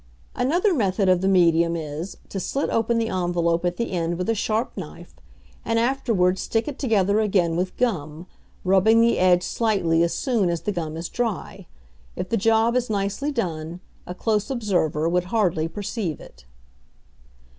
Another method of the medium is, to slit open the envelope at the end with a sharp knife, and afterward stick it together again with gum, rubbing the edge slightly as soon as the gum is dry. If the job is nicely done, a close observer would hardly perceive it.